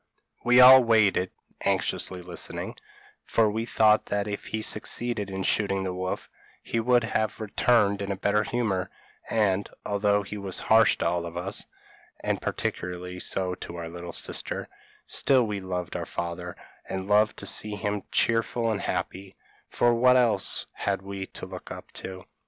We all waited (anxiously listening), for we thought that if he succeeded in shooting the wolf, he would return in a better humour; and, although he was harsh to all of us, and particularly so to our little sister, still we loved our father, and loved to see him cheerful and happy, for what else had we to look up to?